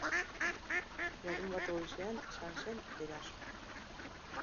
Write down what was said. Larunbat goizean izan zen erasoa.